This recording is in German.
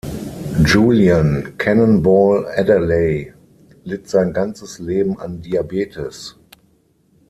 Julian Cannonball Adderley litt sein ganzes Leben an Diabetes.